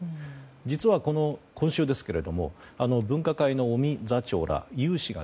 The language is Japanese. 実は、今週ですけれども分科会の尾身座長ら有志が